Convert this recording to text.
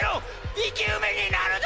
生き埋めになるぞ！！